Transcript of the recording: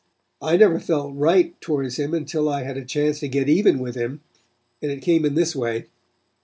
I never felt right towards him until I had a chance to get even with him, and it came in this way.